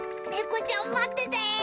ネコちゃん待ってて。